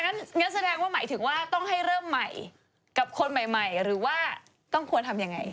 งั้นแสดงว่าหมายถึงว่าต้องให้เริ่มใหม่กับคนใหม่หรือว่าต้องควรทำยังไง